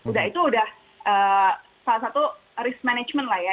udah itu udah salah satu risk management lah ya